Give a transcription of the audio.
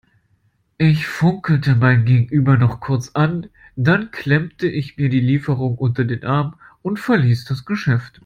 Ich funkelte mein Gegenüber noch kurz an, dann klemmte ich mir die Lieferung unter den Arm und verließ das Geschäft.